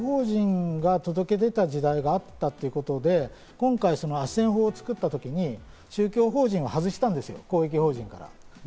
もうちょっと言うと、厚生労働省は宗教法人が届け出た時代があったということで、今回、あっせん法を作った時に宗教法人は外したんです、公益法人から。